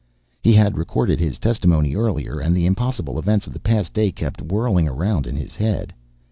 He had recorded his testimony earlier and the impossible events of the past day kept whirling around in his head.